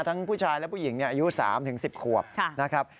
ผู้ชายและผู้หญิงอายุ๓๑๐ขวบนะครับ